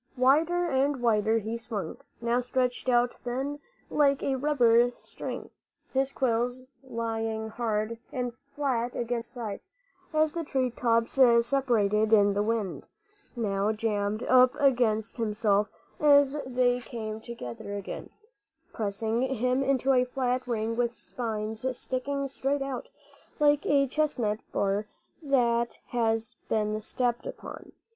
Wider and wilder he swung, now stretched out thin, like a rubber string, his quills lying hard and flat against his sides as the tree tops separated in the wind; now jammed up against himself as they came together again, pressing him into a flat ring with spines sticking straight out, like a chestnut bur that has been stepped upon.